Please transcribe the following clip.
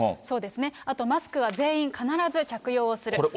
そうですね、あとマスクは全員必ず着用をする。